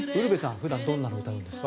普段どんなものを歌うんですか？